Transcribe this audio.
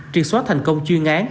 triệt xóa thành công chuyên án